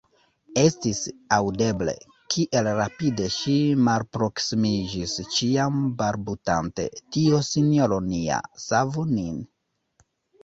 Estis aŭdeble, kiel rapide ŝi malproksimiĝis, ĉiam balbutante: Dio Sinjoro nia, savu nin!